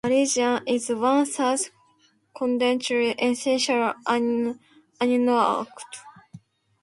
Arginine is one such conditionally essential amino acid.